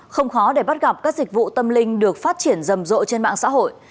không khó để bắt gặp các dịch vụ tâm linh được phát triển rầm rộ trên mạng xã hội